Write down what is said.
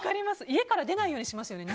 家から出ないようにしますよね。